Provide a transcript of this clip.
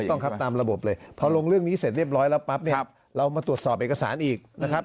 ต้องครับตามระบบเลยพอลงเรื่องนี้เสร็จเรียบร้อยแล้วปั๊บเนี่ยเรามาตรวจสอบเอกสารอีกนะครับ